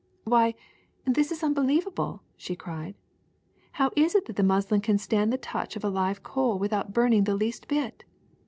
^^Why, this is unbelievable!" she cried. ''How is it that the muslin can stand the touch of a live coal without burning the least bit